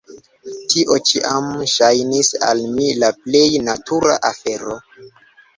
Tio ĉiam ŝajnis al mi la plej natura afero.